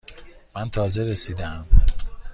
من تازه رسیده ام.